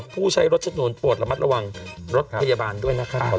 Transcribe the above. ผู้ใช้รถชนวนปวดระมัดระวังรถพยาบาลด้วยนะครับ